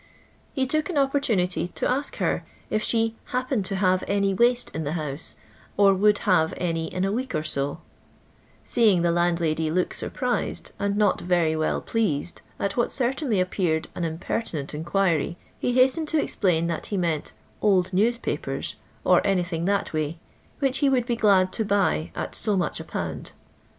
He took an opportunity to ask her if she " happened to have any waste in the house, or would have any in a week or so 1*" Seeing the hindlaJy look iQiprised and not very well phased at what cer tainly appeared an impertinent inquiry, he has tened to explain that ho meant old newspapers, or anything that way, which he would be glad to buy at so much a pound.